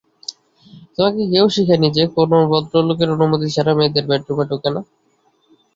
তোমাকে কেউ শেখায় নি যে, কোন ভদ্রলোক অনুমতি ছাড়া মেয়েদের বেডরুমে ঢোকে না?